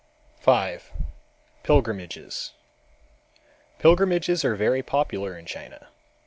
5. Pilgrimages Pilgrimages are very popular in China.